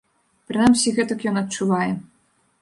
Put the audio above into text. Прынамсі, гэтак ён адчувае.